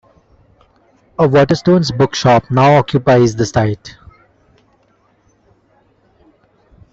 A Waterstone's bookshop now occupies the site.